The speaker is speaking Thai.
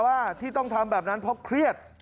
ว่าที่ต้องทำแบบนั้นเพราะเครียด